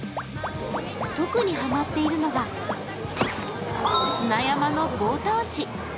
特にハマっているのが砂山の棒倒し。